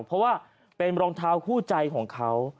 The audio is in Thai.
เพราะว่าเป็นรองเท้าคู่ใจของเขา